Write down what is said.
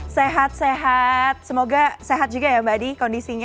sehat sehat semoga sehat juga ya mbak di kondisinya